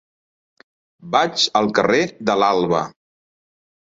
Vaig al carrer de l'Alba.